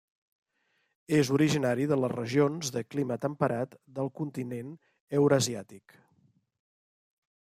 És originari de les regions de clima temperat del continent eurasiàtic.